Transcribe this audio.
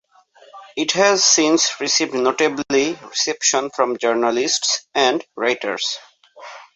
It has since received notably reception from journalists and writers.